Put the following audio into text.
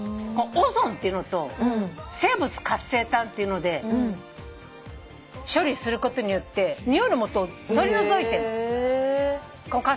オゾンっていうのと生物活性炭っていうので処理することによってにおいのもとを取り除いてんの。